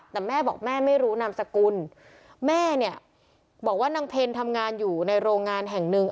แต่แม่บอกแม่ไม่รู้นามสกุลแม่เนี่ยบอกว่านางเพลทำงานอยู่ในโรงงานแห่งหนึ่ง